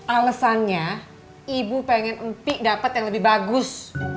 alesannya ibu pengen empi dapet yang lebih bagus